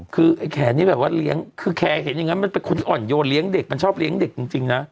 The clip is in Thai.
คือไอ้แขนนี้แบบว่าเลี้ยงคือแขเห็นอย่างนั้นมันเป็นคนอ่อนโยนเลี้ยงเด็กมันชอบเลี้ยงเด็กจริงนะ